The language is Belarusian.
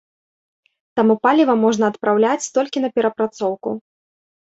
Таму паліва можна адпраўляць толькі на перапрацоўку.